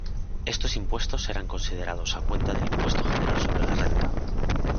Estos impuestos eran considerados a cuenta del impuesto general sobre la renta.